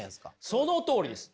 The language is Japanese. そのとおりです！